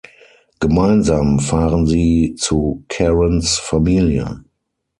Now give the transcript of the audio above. Gemeinsam fahren sie zu Karens Familie.